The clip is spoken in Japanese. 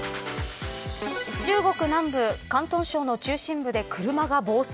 中国南部、広東省の中心部で車が暴走。